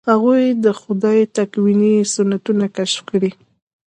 هغوی د خدای تکویني سنتونه کشف کړي.